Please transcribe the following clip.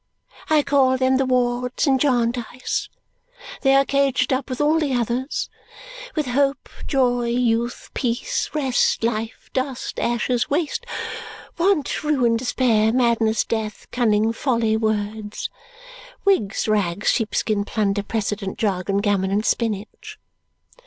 I call them the Wards in Jarndyce. They are caged up with all the others. With Hope, Joy, Youth, Peace, Rest, Life, Dust, Ashes, Waste, Want, Ruin, Despair, Madness, Death, Cunning, Folly, Words, Wigs, Rags, Sheepskin, Plunder, Precedent, Jargon, Gammon, and Spinach!"